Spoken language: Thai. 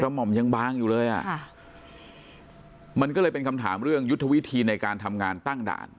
หม่อมยังบางอยู่เลยอ่ะค่ะมันก็เลยเป็นคำถามเรื่องยุทธวิธีในการทำงานตั้งด่าน